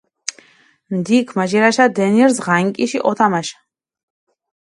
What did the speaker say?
ნდიქჷ მაჟირაშა დენირზ ღანკიში ჸოთამაშა.